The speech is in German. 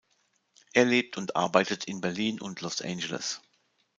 Er lebt und arbeitet in Berlin und Los Angeles.